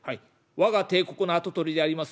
我が帝国の跡取りであります